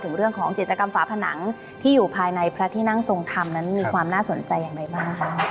เรื่องของจิตกรรมฝาผนังที่อยู่ภายในพระที่นั่งทรงธรรมนั้นมีความน่าสนใจอย่างไรบ้างคะ